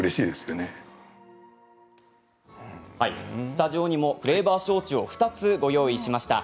スタジオにもフレーバー焼酎を２つご用意しました。